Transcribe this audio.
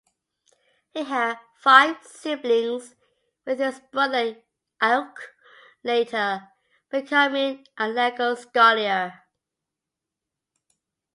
He had five siblings, with his brother Auke later becoming a legal scholar.